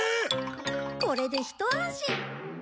これでひと安心。